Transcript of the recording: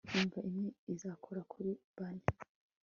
Imva imwe izakora kuri bane